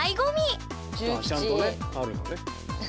まあちゃんとねあるのね。